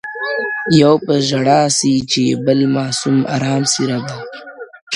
يو په ژړا سي چي يې بل ماسوم ارام سي ربه؛